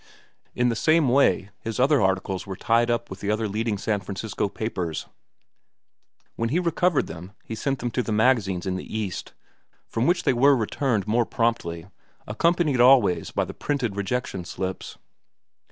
In the same way his other articles were tied up with the other leading San Francisco papers. When he recovered them, he sent them to the magazines in the East, from which they were returned more promptly, accompanied always by the printed rejection slips.